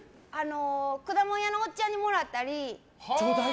果物屋のおっちゃんにもらったり。